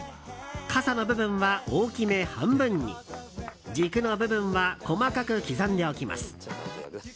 かさの部分は大きめ半分に軸の部分は細かく刻んでおきます。